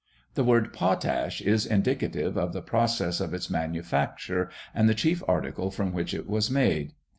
The word "potash" is indicative of the process of its manufacture and the chief article from which it was made.